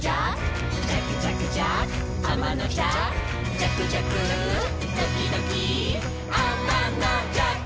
「じゃくじゃくドキドキあまのじゃく」